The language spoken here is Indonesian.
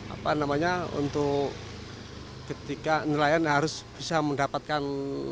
apa namanya untuk ketika nelayan harus bisa mendapatkan